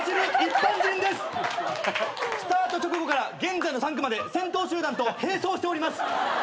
スタート直後から現在の３区まで先頭集団と並走しております！